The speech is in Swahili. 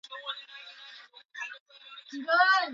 Kwani wanielewa?